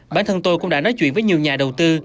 bản thân tôi cũng đã nói chuyện với nhiều nhà đầu tư